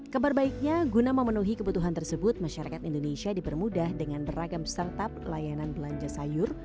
kabar baiknya guna memenuhi kebutuhan tersebut masyarakat indonesia dipermudah dengan beragam startup layanan belanja sayur